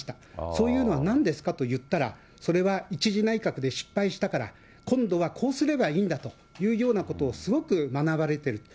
そういうのはなんですか？と言ったら、それは１次内閣で失敗したから、今度はこうすればいいんだというようなことをすごく学ばれてると。